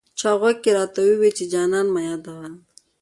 چا غوږ کې راته وویې چې جانان مه یادوه.